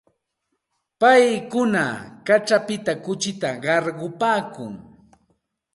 Paykuna kaćhapita kuchita qarqupaakun.